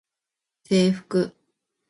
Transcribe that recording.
制服